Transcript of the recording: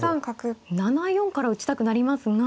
７四から打ちたくなりますが。